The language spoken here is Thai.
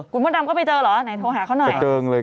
คุณมดดำก็ไปเจอเหรอไหนโทรหาเขาหน่อย